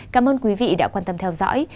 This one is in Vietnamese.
cảm ơn quý vị đã quan tâm theo dõi